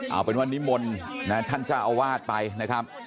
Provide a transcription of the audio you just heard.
เอาเป็นว่านิ้มมลนะท่านจะเอาวาดไปนะครับ